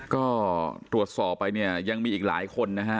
ก็ตรวจสอบไปยังมีอีกหลายคนนะคะ